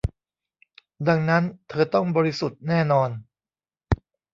ดังนั้น เธอต้องบริสุทธิ์แน่นอน